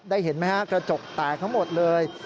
ได้เห็นไหมครับกระจกแตกทั้งหมดเลย